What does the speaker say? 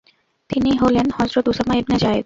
তিনি হলেন হযরত উসামা ইবনে যায়েদ।